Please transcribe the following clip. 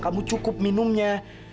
kamu cukup minumnya